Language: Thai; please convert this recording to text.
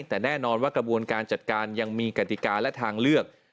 แต่แน่นอนว่ากระบวนการจัดการยังมีกติกาและทางเลือก